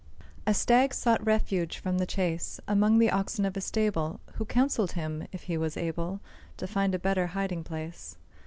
A Stag sought refuge from the chase Among the oxen of a stable, Who counselled him if he was able To find a better hiding place.